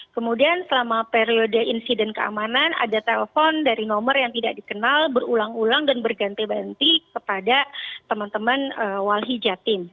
kemudian selama periode insiden keamanan ada telpon dari nomor yang tidak dikenal berulang ulang dan berganti ganti kepada teman teman walhi jatim